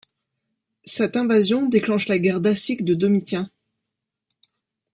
Cette invasion déclenche la guerre dacique de Domitien.